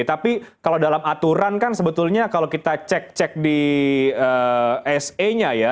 tapi kalau dalam aturan kan sebetulnya kalau kita cek cek di se nya ya